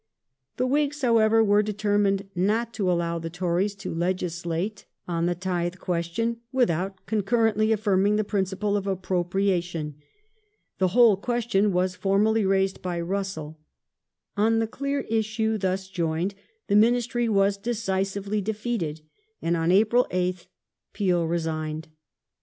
The Whigs, however, were determined not to allow the Tories to legislate on the tithe question without concurrently affirming the principle of appropriation. The whole question was formally raised by Russell. On the clear issue thus joined the Ministry was decisively defeated, and on April 8th Peel resigned.